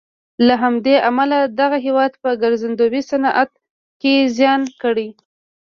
له همدې امله دغه هېواد په ګرځندوی صنعت کې زیان کړی.